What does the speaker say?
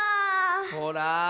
ほら。